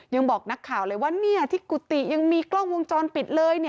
ยังบอกนักข่าวเลยว่าที่กุฏิยังมีกล้องวงจรปิดเลย